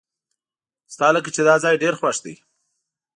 ستالکه چې داځای ډیر خوښ دی .